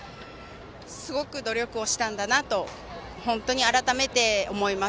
すごく努力をしたんだなと改めて思います。